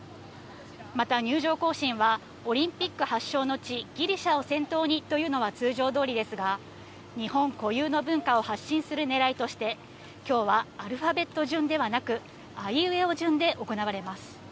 また入場行進は、オリンピック発祥の地、ギリシャを先頭にというのは通常どおりですが、日本固有の文化を発信するねらいとして、きょうはアルファベット順ではなく、あいうえお順で行われます。